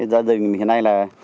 gia đình hiện nay là